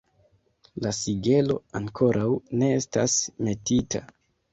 La sigelo ankoraŭ ne estas metita.